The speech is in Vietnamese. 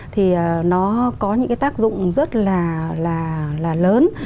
thì nó có những tác dụng rất là lớn